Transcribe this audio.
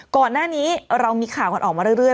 ก่อนหน้านี้เรามีข่าวกันออกมาเรื่อย